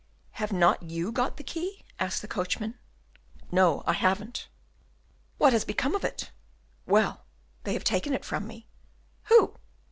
Have not you got the key?" asked the coachman. "No, I haven't." "What has become of it?" "Well, they have taken it from me." "Who?"